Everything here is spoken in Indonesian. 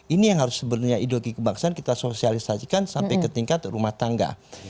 ini yang harus sebenarnya ideologi kebangsaan kita sosialisasikan sampai ke tingkat rumah tangga